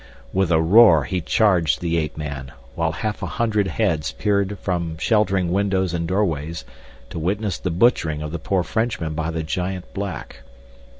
With a roar he charged the ape man, while half a hundred heads peered from sheltering windows and doorways to witness the butchering of the poor Frenchman by the giant black.